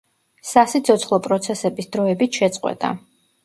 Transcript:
სასიცოცხლო პროცესების დროებით შეწყვეტა.